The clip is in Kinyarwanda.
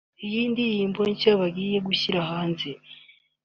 Iyi ndirimbo nshya bagiye gushyira hanze